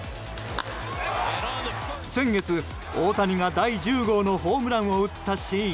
先月、大谷が第１０号のホームランを打ったシーン。